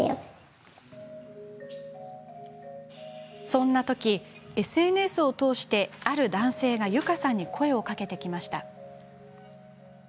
そんなとき、ＳＮＳを通してある男性がゆかさんに声をかけてきました。